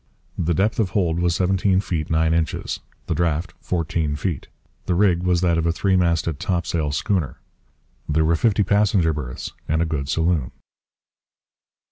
The depth of hold was 17 feet 9 inches, the draught 14 feet. The rig was that of a three masted topsail schooner. There were fifty passenger berths and a good saloon.